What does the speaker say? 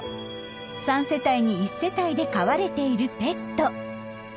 ３世帯に１世帯で飼われているペット。